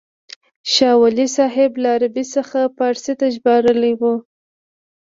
شاه ولي الله صاحب له عربي څخه فارسي ته ژباړلې وه.